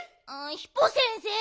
ヒポ先生